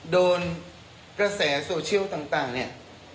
โดนกระแสโซเชียลต่างเนี่ย